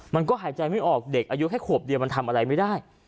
มันก็หายใจไม่ออกเด็กอายุแค่ขวบเดียวมันทำอะไรไม่ได้